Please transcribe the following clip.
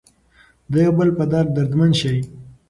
د یو بل په درد دردمن شئ.